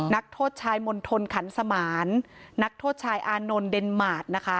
นักโทษชายมณฑลขันสมานนักโทษชายอานนท์เดนมาร์ทนะคะ